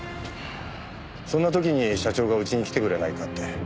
そんな時に社長がうちに来てくれないかって。